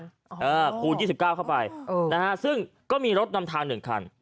อ่าคูณ๒๙เข้าไปเออนะฮะซึ่งก็มีรถนำทางหนึ่งคัน